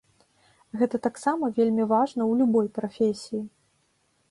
Гэта таксама вельмі важна ў любой прафесіі.